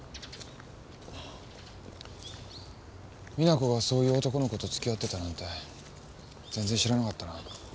実那子がそういう男の子と付き合ってたなんて全然知らなかったな。